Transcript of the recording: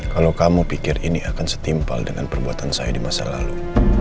kalau kamu pikir ini akan setimpal dengan perbuatan saya di masa lalu